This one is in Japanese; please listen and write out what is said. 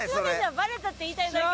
バレたって言いたいだけ。